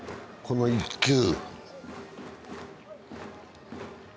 この１球。